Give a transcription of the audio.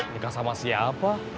nikah sama siapa